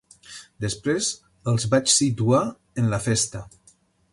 Després els vaig situar en la festa.